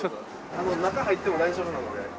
中入っても大丈夫なので。